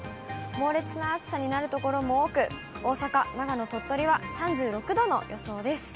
猛烈な暑さになる所も多く、大阪、長野、鳥取は３６度の予想です。